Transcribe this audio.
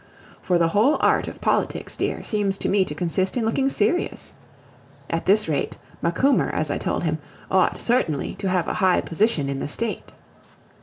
For the whole art of politics, dear, seems to me to consist in looking serious. At this rate, Macumer, as I told him, ought certainly to have a high position in the state.